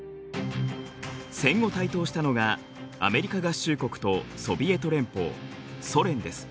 戦後台頭したのがアメリカ合衆国とソビエト連邦ソ連です。